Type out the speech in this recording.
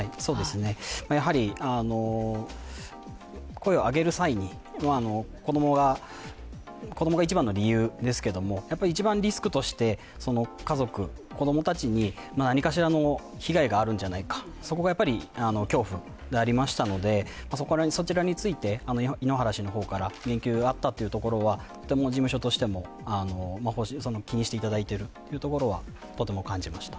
やはり声を上げる際に子供が一番の理由ですけれども、やっぱり一番リスクとして家族、子供たちに何かしらの被害があるんじゃないかそこがやっぱり恐怖でありましたのでそちらについて井ノ原氏から言及があったことは事務所としても気にしていただいているというところはとても感じました。